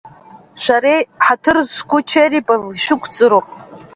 Шәареи ҳаҭыр зқәу Черепови шәықәҵроуп.